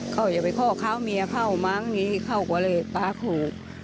เขาอยากไปข้อเข้าเมียเข้ามั้งนี่เข้ากว่าเลยป๊าถูก